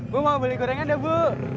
bu mau beli gorengan deh bu